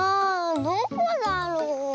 どこだろう？